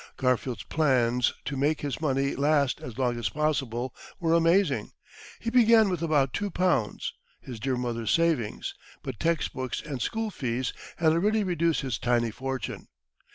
Garfield's plans to make his money last as long as possible were amazing. He began with about two pounds, his dear mother's savings, but text books and school fees had already reduced his tiny fortune.